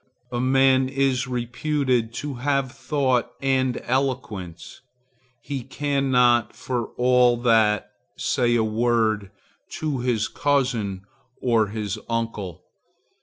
A man is reputed to have thought and eloquence; he cannot, for all that, say a word to his cousin or his uncle.